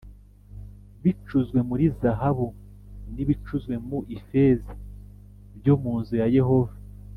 bicuzwe muri zahabu n ibicuzwe mu ifeza byo mu nzu ya Yehova